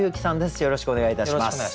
よろしくお願いします。